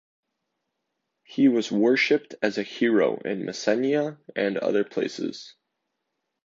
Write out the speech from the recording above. He was worshipped as a hero in Messenia and other places.